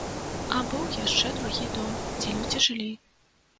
А быў яшчэ другі дом, дзе людзі жылі.